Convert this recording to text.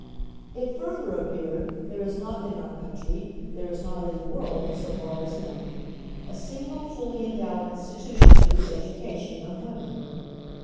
"It further appeared, there is not in our country, there is not in the world, so far as known, a single fully endowed institution for the education of women....